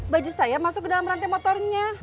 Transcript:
baju saya masuk ke dalam rantai motornya